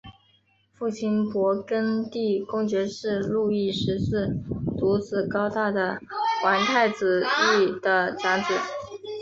父亲勃艮地公爵是路易十四独子高大的王太子路易的长子。